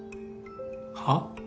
はっ？